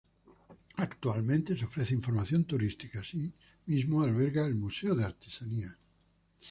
Actualmente se ofrece información turística, así mismo alberga el museo de artesanías.